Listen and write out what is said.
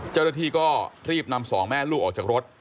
เจ้าหน้าที่ก็รีบนำสองแม่ลูกออกจากรถ